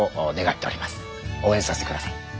応援させて下さい。